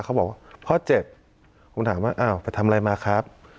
เขาบอกว่าพ่อเจ็บผมถามว่าอ้าวไปทำอะไรมาครับ